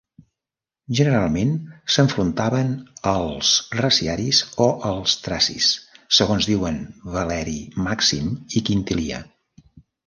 Generalment s'enfrontaven als reciaris o als tracis, segons diuen Valeri Màxim i Quintilià.